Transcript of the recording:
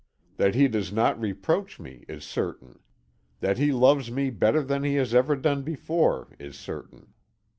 That he does not reproach me is certain. That he loves me better than he ever has done before, is certain.